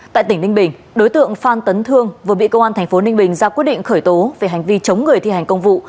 tại tỉnh ninh bình đối tượng phan tấn thương vừa bị công an tp ninh bình ra quyết định khởi tố về hành vi chống người thi hành công vụ